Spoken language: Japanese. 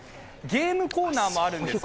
ゲームコーナーもあるんです